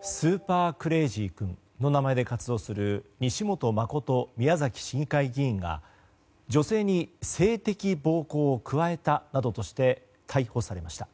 スーパークレイジー君の名前で活動する西本誠宮崎市議会議員が女性に性的暴行を加えたなどとして逮捕されました。